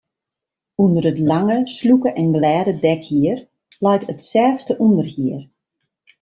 Under it lange, slûke en glêde dekhier leit it sêfte ûnderhier.